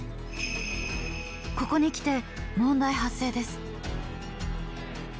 ここにきて問題発生です。